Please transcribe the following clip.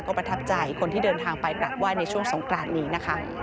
ประทับใจคนที่เดินทางไปกลับไห้ในช่วงสงกรานนี้นะคะ